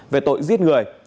về tội giết người